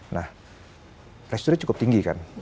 nah restnya cukup tinggi kan